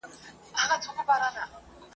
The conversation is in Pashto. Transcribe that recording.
آیا هغې د غازیانو ملاتړ کړی وو؟